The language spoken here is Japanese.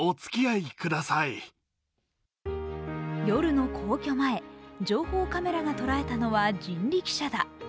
夜の皇居前情報カメラが捉えたのは人力車だ。